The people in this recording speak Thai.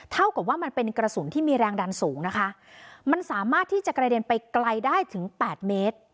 เท่ากับว่ามันเป็นกระสุนที่มีแรงดันสูงนะคะมันสามารถที่จะกระเด็นไปไกลได้ถึงแปดเมตร